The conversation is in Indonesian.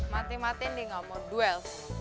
mati matin dia gak mau duel